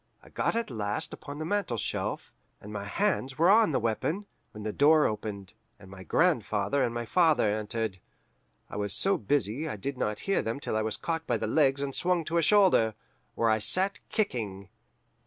I got at last upon the mantelshelf, and my hands were on the weapon, when the door opened, and my grandfather and my father entered. I was so busy I did not hear them till I was caught by the legs and swung to a shoulder, where I sat kicking.